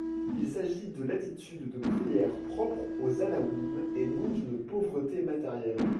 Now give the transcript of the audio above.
Il s'agit de l'attitude de prière propre aux anawim et non d'une pauvreté matérielle.